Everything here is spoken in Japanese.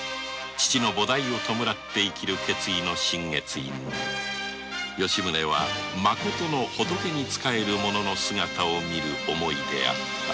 父の菩提を弔って生きる決意の心月院に吉宗はまことの仏に仕える者の姿を見る思いであった